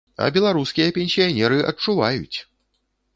А беларускія пенсіянеры адчуваюць!